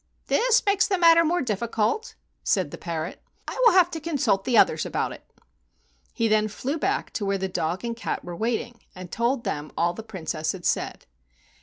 "This makes the matter more difficult," said the parrot. "I will have to consult the others about it." He then flew back to where the dog and cat were waiting and told them all the Princess had said.